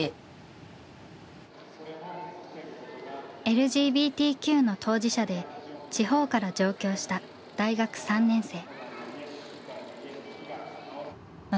ＬＧＢＴＱの当事者で地方から上京した大学３年生。